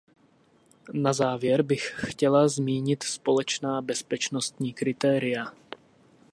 Na závěr bych chtěla zmínit společná bezpečnostní kritéria.